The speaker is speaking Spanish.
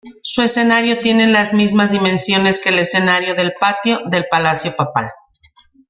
Su escenario tiene las mismas dimensiones que el escenario del patio del Palacio Papal.